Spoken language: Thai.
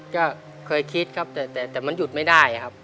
ก็เคยคิดครับแต่มันหยุดไม่ได้ครับ